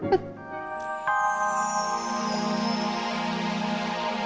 kenapa ya tante